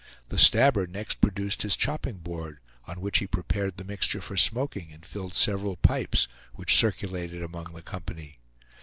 The Stabber next produced his chopping board, on which he prepared the mixture for smoking, and filled several pipes, which circulated among the company.